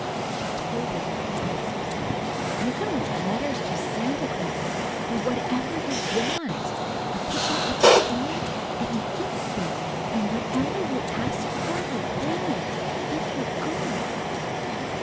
She told it in gasps. "_You can write letters to Santa Claus for whatever you want and put them up the chimney and he gets them and whatever you ask for he'll bring you if you're good!